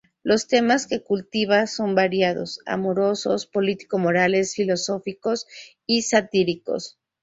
Los temas que cultiva son variados: amorosos, político-morales, filosóficos y satíricos.